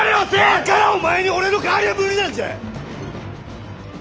だからお前に俺の代わりは無理なんじゃ！